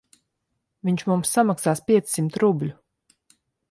Viņš mums samaksās piecsimt rubļu.